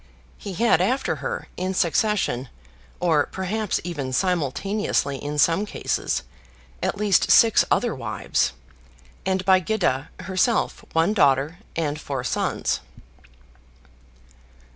He had after her, in succession, or perhaps even simultaneously in some cases, at least six other wives; and by Gyda herself one daughter and four sons.